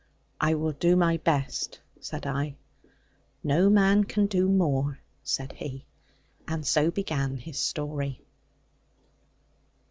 'I will do my best,' said I. 'No man can do more,' said he and so began his story.